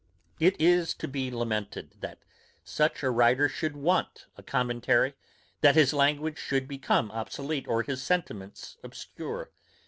It is to be lamented, that such a writer should want a commentary; that his language should become obsolete, or his sentiments obscure.